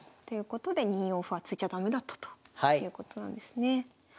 ということで２四歩は突いちゃ駄目だったということなんですね。